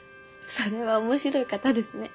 それは面白い方ですね。